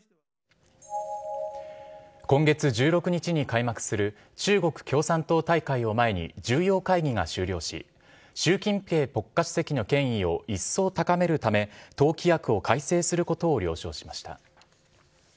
今月１６日に開幕する中国共産党大会を前に重要会議が終了し習近平国家主席の権威をいっそう高めるため党規約を改正することを了承しました。